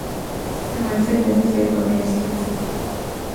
افغانستان د دې سیالیو په منځ کي و.